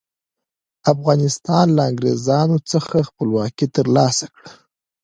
افغانستان له انګریزانو څخه خپلواکي تر لاسه کړه.